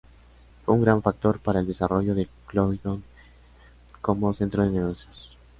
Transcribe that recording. Fue un gran factor para el desarrollo de Croydon como centro de negocios.